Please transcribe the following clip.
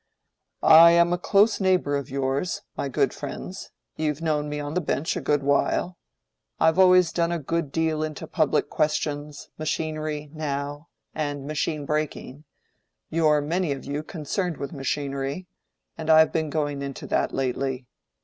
"I am a close neighbor of yours, my good friends—you've known me on the bench a good while—I've always gone a good deal into public questions—machinery, now, and machine breaking—you're many of you concerned with machinery, and I've been going into that lately.